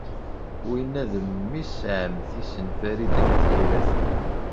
Winna d memmi-s n ɛemmti-s n Farid n At Yiraten.